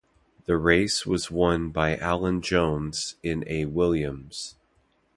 The race was won by Alan Jones in a Williams.